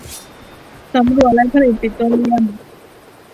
สำรวจและผลิตปิโตรเลียม